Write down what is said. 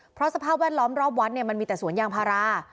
เพราะสภาพแวดล้อมรอบวัดเนี่ยมันมีแต่สวนยางพารา